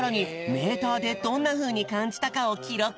メーターでどんなふうにかんじたかをきろく。